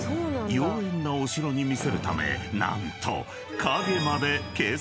妖艶なお城に見せるため何と］